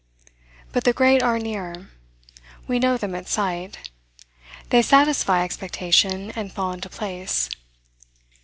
But the great are near: we know them at sight. They satisfy expectation, and fall into place.